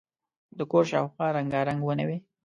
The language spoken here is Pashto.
د کور شاوخوا رنګارنګ ونې وې.